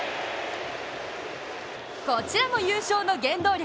こちらも優勝の原動力